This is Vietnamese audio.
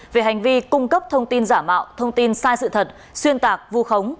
về hành vi cung cấp thông tin giả mạo thông tin sai sự thật xuyên tạc vu khống